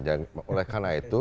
dan oleh karena itu